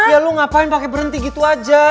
ya lo ngapain pakai berhenti gitu aja